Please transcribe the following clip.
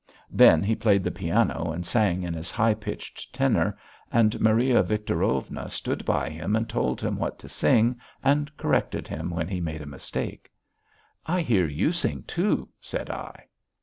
Then he played the piano and sang in his high pitched tenor, and Maria Victorovna stood by him and told him what to sing and corrected him when he made a mistake. "I hear you sing, too," said I.